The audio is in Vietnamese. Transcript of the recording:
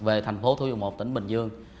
về thành phố thủ dương một tỉnh bình dương